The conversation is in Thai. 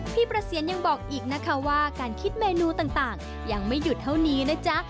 พี่ประเสียนยังบอกอีกนะคะว่าการคิดเมนูต่างยังไม่หยุดเท่านี้นะจ๊ะ